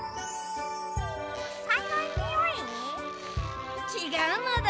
くさのにおい？ちがうのだ。